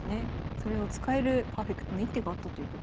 それを使えるパーフェクトな一手があったということで。